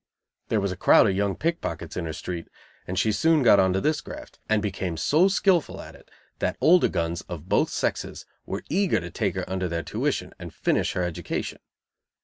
There was a crowd of young pickpockets in her street, and she soon got on to this graft, and became so skilful at it that older guns of both sexes were eager to take her under their tuition and finish her education.